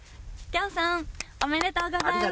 恭さんおめでとうございます！